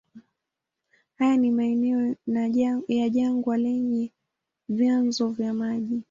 Haya ni maeneo ya jangwa yenye vyanzo vya maji.